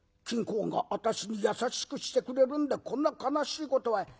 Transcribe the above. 金公が私に優しくしてくれるんでこんな悲しいことは。